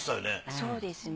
そうですね。